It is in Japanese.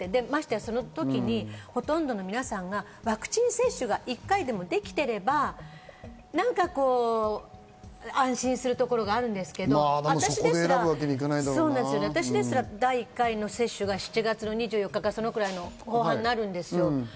その時にほとんどの皆さんがワクチン接種は１回でもできていれば、なんか安心するところがあるんですけど、私ですら、第１回の接種が７月２４日からそれぐらいになるんですよ。